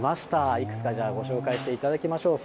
いくつかじゃあ、ご紹介していただきましょう。